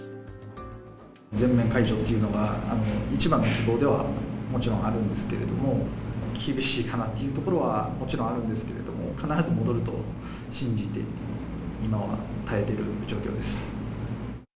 全面解除っていうのが、一番の希望ではもちろんあるんですけれども、厳しいかなっていうところはもちろんあるんですけれども、必ず戻ると信じて、今は耐えている状況です。